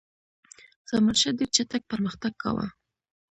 زمانشاه ډېر چټک پرمختګ کاوه.